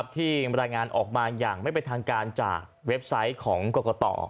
ที่รายงานออกมาอย่างไม่เป็นทางการจากเว็บไซต์ของกรกต